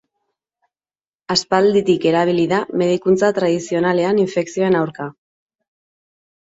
Aspalditik erabili da medikuntza tradizionalean infekzioen aurka.